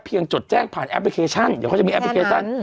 จดแจ้งผ่านแอปพลิเคชันเดี๋ยวเขาจะมีแอปพลิเคชัน